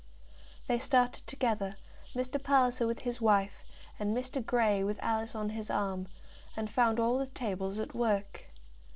They started together, Mr. Palliser with his wife, and Mr. Grey with Alice on his arm, and found all the tables at work.